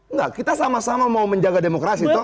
enggak kita sama sama mau menjaga demokrasi